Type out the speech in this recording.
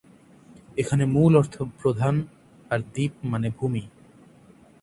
এখানে মূল অর্থ প্রধান আর দ্বীপ মানে ভূমি।